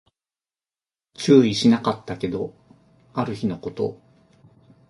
注意しなかったけど、ある日のこと